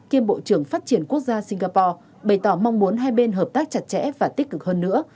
kiêm bộ trưởng phát triển quốc gia singapore bày tỏ mong muốn hai bên hợp tác chặt chẽ và tích cực hơn nữa